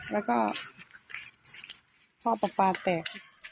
แล้วก็พ่อปากปากแตก